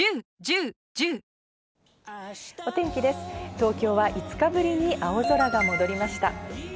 東京は５日ぶりに青空が戻りました。